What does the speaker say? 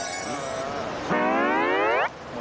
อะซ่อยข้อมือ